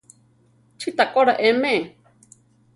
Chí takóla eme.